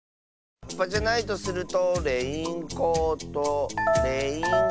カッパじゃないとするとレインコートレインコート。